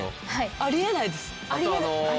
あり得ないです。